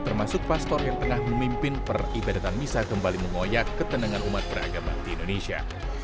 termasuk pastor yang tengah memimpin peribadatan misah kembali mengoyak ketenangan umat beragama di indonesia